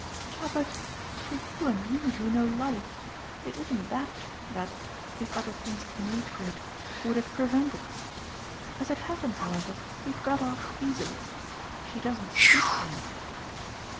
"Ah but, for you and me who know life, it isn't THAT that if other things had made for it would have prevented! As it happens, however, we've got off easily. She doesn't speak to him